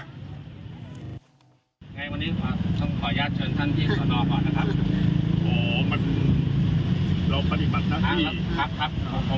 วันนี้ต้องขออนุญาตเชิญท่านพี่โทรก่อนนะครับ